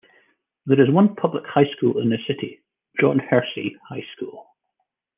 There is one public high school in the city, John Hersey High School.